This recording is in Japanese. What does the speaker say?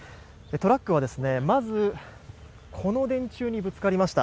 トラックはまずこの電柱にぶつかりました。